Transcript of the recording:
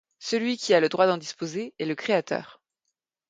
Celui qui a le droit d'en disposer est le Créateur.